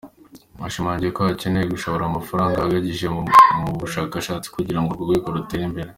Yashimangiye ko hakenewe gushora amafaranga ahagije mu bushakashatsi kugira ngo urwo rwego rutere imbere.